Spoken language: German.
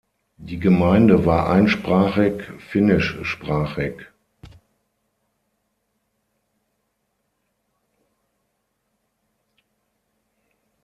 Die Gemeinde war einsprachig finnischsprachig.